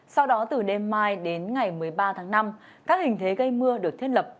sau đó từ đêm mai đến ngày một mươi ba tháng năm các hình thế gây mưa được thiết lập